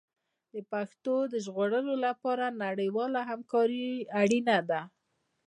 د پښتو د ژغورلو لپاره نړیواله همکاري اړینه ده.